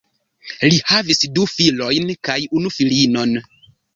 Li havis du filojn kaj unu filinon.